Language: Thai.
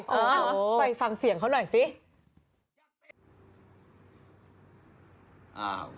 ไปฟังเสียงเขาหน่อยสิ